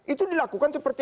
itu dilakukan seperti